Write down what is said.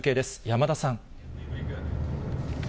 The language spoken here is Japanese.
山田さん。